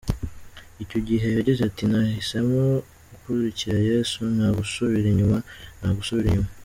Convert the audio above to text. Icyo gihe yagize ati “Nahisemo gukurikira Yesu, nta gusubira inyuma, nta gusubira inyuma”.